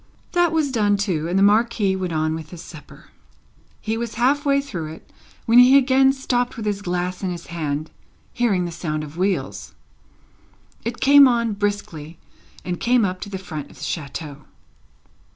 That was done too, and the Marquis went on with his supper. He was half way through it, when he again stopped with his glass in his hand, hearing the sound of wheels. It came on briskly, and came up to the front of the chateau.